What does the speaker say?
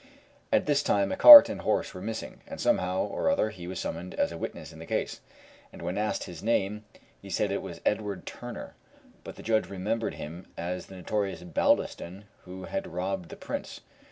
At this time a cart and horse were missing, and somehow or other he was summoned as a witness in the case, and when asked his name he said it was Edward Turner; but the judge remembered him as the notorious Baldiston who had robbed the Prince.